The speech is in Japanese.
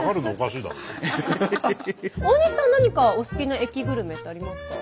大西さん何かお好きな駅グルメってありますか？